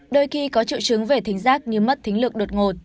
đôi khi có triệu chứng về thính giác như mất thính lược đột ngột